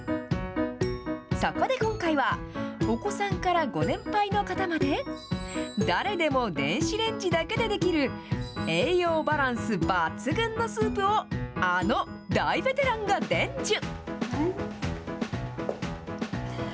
そこで今回は、お子さんからご年配の方まで、誰でも電子レンジだけでできる、栄養バランス抜群のスープを、あの大ベテランが伝授。